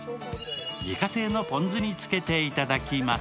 自家製のぽん酢につけていただきます。